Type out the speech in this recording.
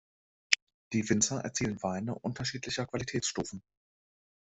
Die Winzer erzielen Weine unterschiedlicher Qualitätsstufen.